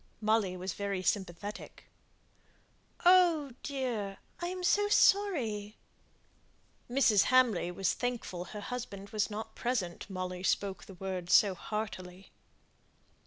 Molly was very sympathetic. "Oh, dear! I am so sorry!" Mrs. Hamley was thankful her husband was not present, Molly spoke the words so heartily.